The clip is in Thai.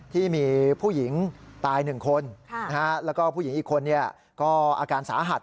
ที่มีผู้หญิงตาย๑คนแล้วก็ผู้หญิงอีกคนก็อาการสาหัส